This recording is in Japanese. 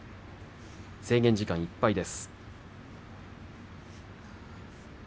制限時間いっぱいです。